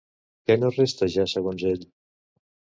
Què no resta ja segons ell?